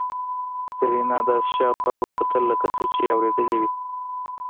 سېرېنا داسې شاوخوا وکتل لکه څه چې يې اورېدلي وي.